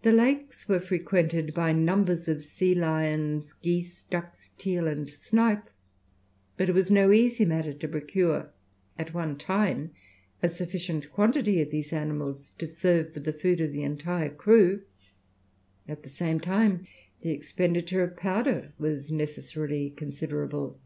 The lakes were frequented by numbers of sea lions, geese, ducks, teal, and snipe, but it was no easy matter to procure, at one time, a sufficient quantity of these animals to serve for the food of the entire crew; at the same time, the expenditure of powder was necessarily considerable.